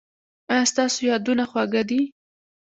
ایا ستاسو یادونه خوږه ده؟